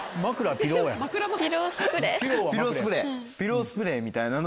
ピロースプレーみたいなのを。